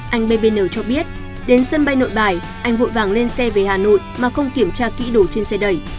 anh bbn cho biết đến sân bay nội bài anh vội vàng lên xe về hà nội mà không kiểm tra kỹ đủ trên xe đẩy